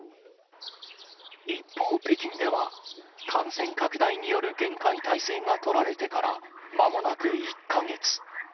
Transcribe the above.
一方、北京では、感染拡大による厳戒態勢が取られてからまもなく１か月。